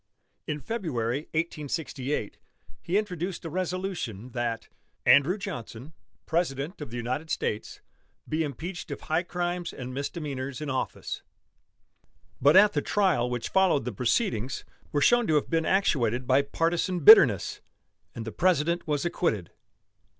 In February, 1868, he introduced a resolution that "Andrew Johnson, President of the United States, be impeached of high crimes and misdemeanors in office," but at the trial which followed the proceedings were shown to have been actuated by partisan bitterness and the President was acquitted.